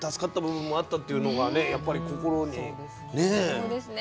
そうですね。